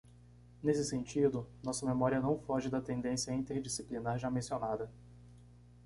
Nesse sentido, nossa memória não foge da tendência interdisciplinar já mencionada.